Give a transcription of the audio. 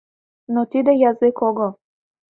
Но тиде язык огыл.